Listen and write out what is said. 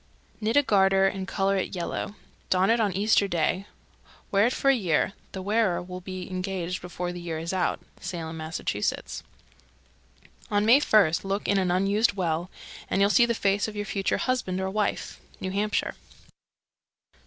Knit a garter and color it yellow. Don it on Easter Day. Wear it for a year. The wearer will be engaged before the year is out. Salem, Mass. 322. On May first look in an unused well, and you'll see the face of your future husband or wife. _New Hampshire.